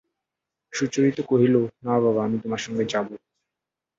সুচরিতা কহিল, না বাবা, আমি তোমার সঙ্গে যাব।